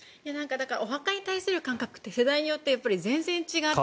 お墓に対する感覚って世代によって全然違って。